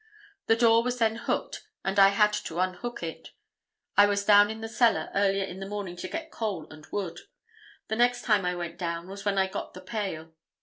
The door was then hooked and I had to unhook it. I was down in the cellar earlier in the morning to get coal and wood. The next time I went down was when I got the pail.